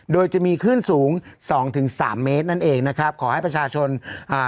โดยจะมีคลื่นสูงสองถึงสามเมตรนั่นเองนะครับขอให้ประชาชนอ่า